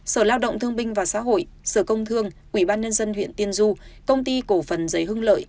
sở lao động thương binh và xã hội sở công thương ủy ban nhân dân huyện tiên du công ty cổ phần giấy hưng lợi